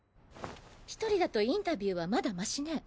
１人だとインタビューはまだマシね。